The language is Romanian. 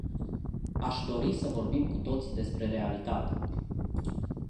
Aș dori să vorbim cu toții despre realitate.